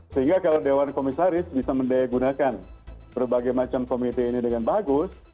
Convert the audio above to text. sehingga kalau dewan komisaris bisa mendayagunakan berbagai macam komite ini dengan bagus